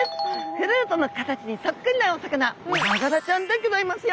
フルートの形にそっくりなお魚ヤガラちゃんでギョざいますよ。